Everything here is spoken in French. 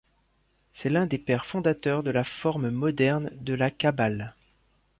C'est l'un des pères-fondateur de la forme moderne de la Kabbale.